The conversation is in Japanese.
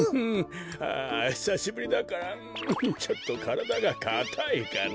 あひさしぶりだからんちょっとからだがかたいかな。